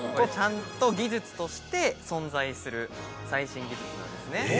ちゃんと技術として存在する最新技術なんですね。